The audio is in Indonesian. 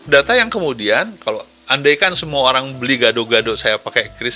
data yang kemudian kalau andaikan semua orang beli gado gado saya pakai kris